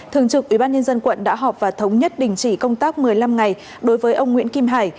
thường trực ubnd quận đã họp và thống nhất đình chỉ công tác một mươi năm ngày đối với ông nguyễn kim hải